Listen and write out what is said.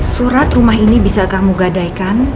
surat rumah ini bisa kamu gadaikan